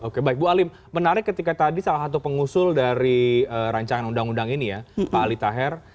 oke baik bu alim menarik ketika tadi salah satu pengusul dari rancangan undang undang ini ya pak ali taher